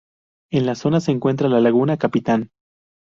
En la zona se encuentra la Laguna Capitán.